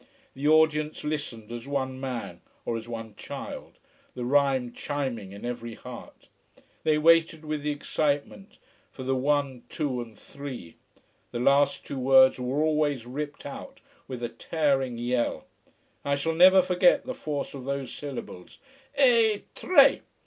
The audience listened as one man or as one child the rhyme chiming in every heart. They waited with excitement for the One Two and Three! The last two words were always ripped out with a tearing yell. I shall never forget the force of those syllables E TRE!